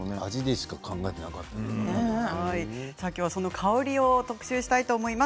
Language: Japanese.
今日は香りを特集したいと思います。